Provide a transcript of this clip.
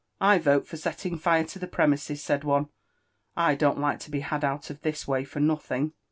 " I vote for setting fire to the premises," said one; —" I don't Kke to be had out this way for nothing."